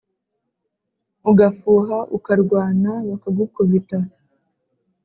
ugafuha ukarwana bakagukubita